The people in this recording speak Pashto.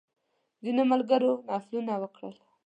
ځینو ملګرو نفلونه وکړل.